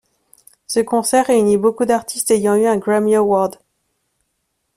Ce concert réunit beaucoup d'artistes ayant eu un Grammy Award.